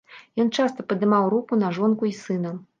Ён часта падымаў руку на жонку і сына.